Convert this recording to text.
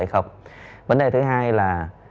hay không vấn đề thứ hai là